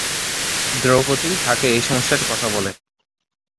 দ্রৌপদী তাকে এই সমস্যার কথা বলে।